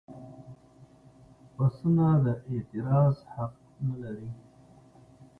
پسونه د اعتراض حق نه لري.